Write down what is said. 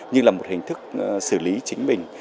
như là một hình thức xử lý chính mình